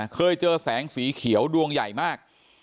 เคยเจอแสงสีเขียวดวงใหญ่มาก